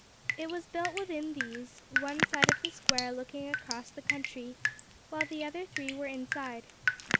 It was built within these, one side of the square looking across the country, while the other three were inside.